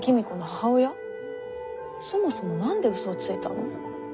そもそも何で嘘をついたの？